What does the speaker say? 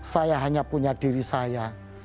saya hanya punya diri saya